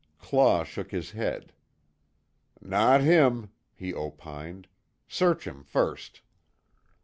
Claw shook his head: "Not him," he opined, "Search him first."